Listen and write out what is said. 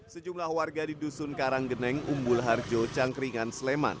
sejumlah warga di dusun karanggeneng umbul harjo cangkringan sleman